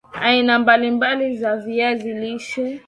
aina mbali mbali za viazi lishe